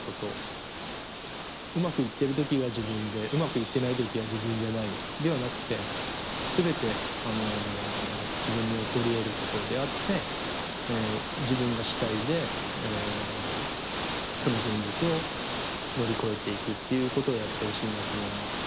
うまくいってる時は自分でうまくいってない時は自分じゃないではなくて全て自分に起こりえることであって自分が主体でその現実を乗り越えていくっていうことをやってほしいなと思います。